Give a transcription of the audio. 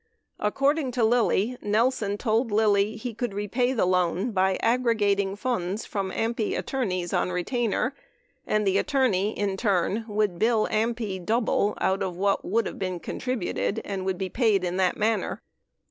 According to Lilly, Nelson told Lilly he could repay the loan by aggregating funds from AMPI attorneys on retainer, "[a]nd the attorney in turn would bill AMPI double out of what would have been contributed and be paid in that manner."